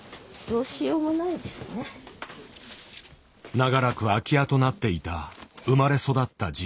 長らく空き家となっていた生まれ育った実家。